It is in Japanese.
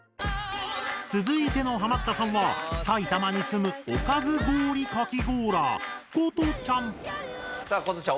続いてのハマったさんは埼玉に住むおかず氷かきゴーラー瑚都ちゃん！さあ瑚都ちゃん